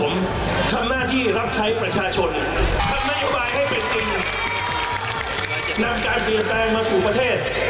นำการเปลี่ยนแปลงมาสู่ประเทศ